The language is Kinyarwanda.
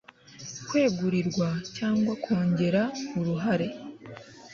kwegurirwa cyangwa kongera uruhare